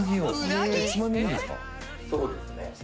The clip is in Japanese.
そうですね。